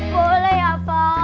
boleh ya papa